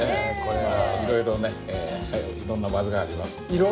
いろいろねいろんな技がありますんで。